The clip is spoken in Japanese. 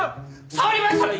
触りましたね